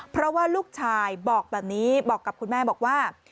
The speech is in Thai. เพราะว่าลูกชายบอกแบบนี้บอกกับคุณแม่บอกว่า